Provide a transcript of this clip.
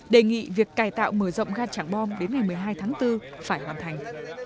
đề nghị việc cải tạo mở rộng ga trảng bom đến ngày một mươi hai tháng bốn phải hoàn thành